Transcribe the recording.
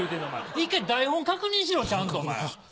１回台本確認しろちゃんとお前。